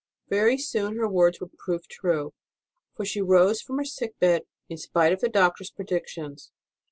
Very soon her words were proved true, for she rose from her sick bed in spite of the doctor s predic tions.